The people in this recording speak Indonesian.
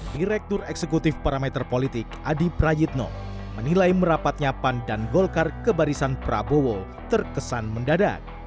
direktur eksekutif parameter politik adi prayitno menilai merapatnya pan dan golkar ke barisan prabowo terkesan mendadak